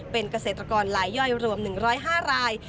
เป็นเกษตรกรลายย่อยรวม๑๐๕ราย